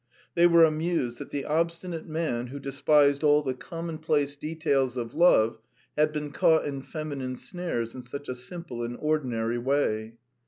They were amused that the obstinate man who despised all the common place details of love had been caught in feminine snares in such a simple and ordinary way.